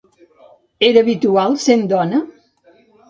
Era habitual sent una dona?